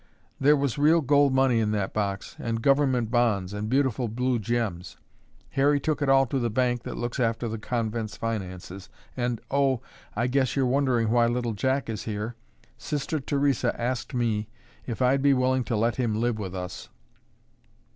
"There was real gold money in that box and Government bonds and beautiful blue gems. Harry took it all to the bank that looks after the convent's finances, and, oh, I guess you're wondering why little Jack is here. Sister Theresa asked me if I'd be willing to let him live with us."